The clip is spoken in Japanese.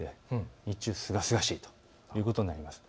日中すがすがしいということになります。